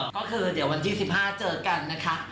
ก็คือเดี๋ยววันที่๑๕เจอกันนะคะ